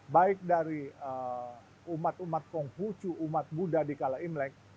baik dari umat umat konghucu umat buddha di kala imlek